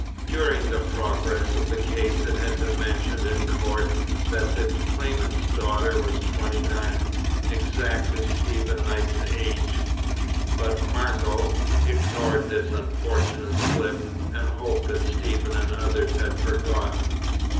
During the progress of the case, it had been mentioned in court that the claimant's daughter was twenty nine (exactly Stephen Knight's age); but Margot ignored this unfortunate slip, and hoped that Stephen and others had forgotten.